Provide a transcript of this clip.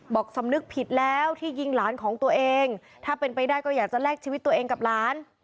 สำนึกผิดแล้วที่ยิงหลานของตัวเองถ้าเป็นไปได้ก็อยากจะแลกชีวิตตัวเองกับหลาน